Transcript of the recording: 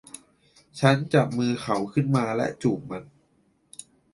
ฉันจับมือเขาขึ้นมาและจูบมัน